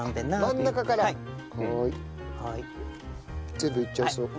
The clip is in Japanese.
全部いっちゃいますよ。